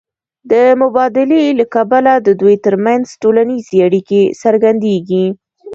د مبادلې له کبله د دوی ترمنځ ټولنیزې اړیکې څرګندېږي